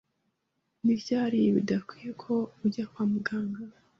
Niryari bidakwiye ko ujya kwa muganga?